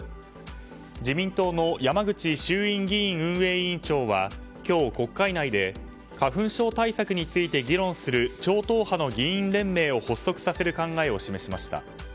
自民党の山口衆院議院運営委員長は今日、国会内で花粉症対策について議論する超党派の議員連盟を発足させる考えを示しました。